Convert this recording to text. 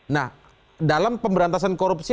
nah dalam pemberantasan korupsi